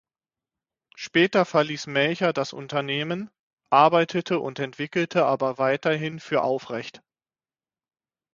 Später verließ Melcher das Unternehmen, arbeitete und entwickelte aber weiterhin für Aufrecht.